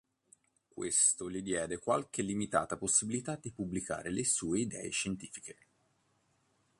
Questo gli diede qualche limitata possibilità di pubblicare le sue idee scientifiche.